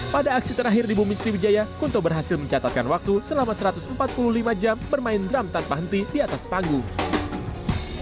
pada aksi terakhir di bumi sriwijaya kunto berhasil mencatatkan waktu selama satu ratus empat puluh lima jam bermain drum tanpa henti di atas panggung